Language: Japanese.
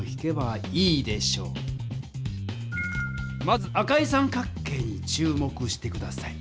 まず赤い三角形に注目して下さい。